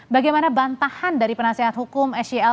bagaimana bantahan dari penasehat hukum sel